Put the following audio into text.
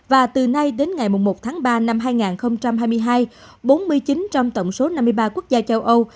và từ nay đến ngày một tháng ba năm hai nghìn hai mươi hai bốn mươi chín trong tổng số năm mươi ba quốc gia châu âu